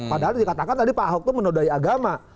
padahal dikatakan tadi pak ahok itu menodai agama